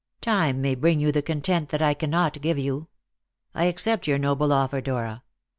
Time may bring you the content that I cannot give you. I accept your noble offer, Dora.